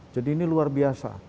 jadi ini luar biasa